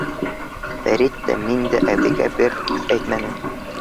Фәрит тә, мин дә әбейгә бер һүҙ әйтмәнек.